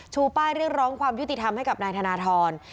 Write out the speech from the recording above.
ชูป้ายเรียกร้องความยุติธรรมให้กับนายธนทร